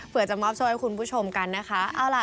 เพื่อจะมอบโชคให้คุณผู้ชมกันนะคะ